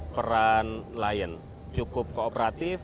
peran lion cukup kooperatif